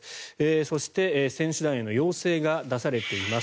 そして、選手団への要請が出されています。